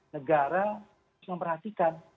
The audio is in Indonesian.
negara harus memperhatikan